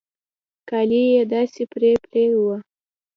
کالي يې داسې پرې پرې وو.